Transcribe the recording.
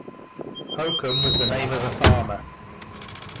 Holcomb was the name of a farmer.